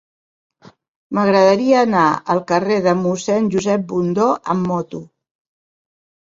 M'agradaria anar al carrer de Mossèn Josep Bundó amb moto.